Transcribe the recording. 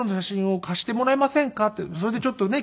「それでちょっとね